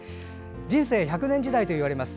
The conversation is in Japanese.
人生１００年時代といわれます。